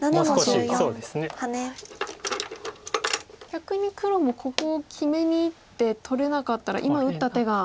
逆に黒もここを決めにいって取れなかったら今打った手が。